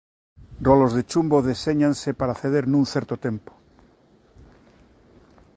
Rolos de chumbo deséñanse para ceder nun certo tempo.